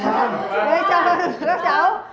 chào mừng các cháu